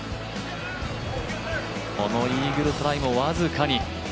このイーグルトライも僅かに。